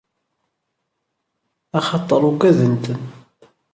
Axaṭer ugwaden-ten.